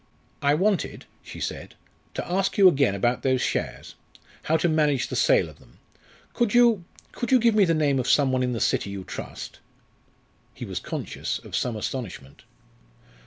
"I wanted," she said, "to ask you again about those shares how to manage the sale of them. Could you could you give me the name of some one in the City you trust?" He was conscious of some astonishment.